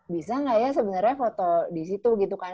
bisa gak ya sebenernya foto disitu gitu kan